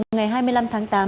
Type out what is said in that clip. ngày hai mươi năm tháng tám